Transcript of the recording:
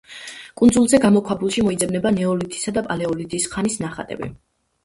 კუნძულზე გამოქვაბულებში მოიძებნება ნეოლითის და პალეოლითის ხანის ნახატები.